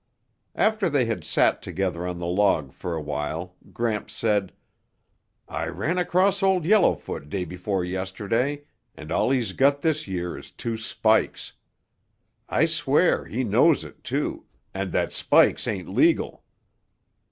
After they had sat together on the log for a while, Gramps said, "I ran across Old Yellowfoot day before yesterday and all he's got this year is two spikes. I swear he knows it, too, and that spikes ain't legal.